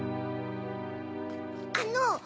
あの！